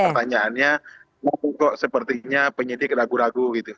pertanyaannya kok sepertinya penyidik ragu ragu gitu